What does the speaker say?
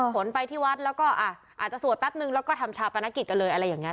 ขนไปที่วัดแล้วก็อาจจะสวดแป๊บนึงแล้วก็ทำชาปนกิจกันเลยอะไรอย่างนี้